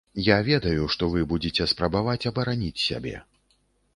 Я ведаю, што вы будзеце спрабаваць абараніць сябе.